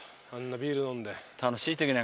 あんなビール飲んで。